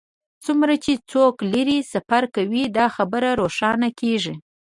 څومره چې څوک لرې سفر کوي دا خبره روښانه کیږي